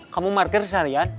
kamu parkir seharian